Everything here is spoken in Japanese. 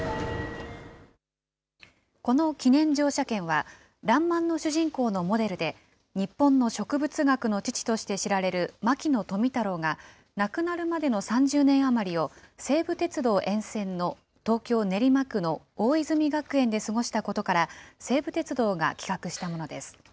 この記念乗車券は、らんまんの主人公のモデルで、日本の植物学の父として知られる牧野富太郎が、亡くなるまでの３０年余りを、西武鉄道沿線の東京・練馬区の大泉学園で過ごしたことから、西武鉄道が企画したものです。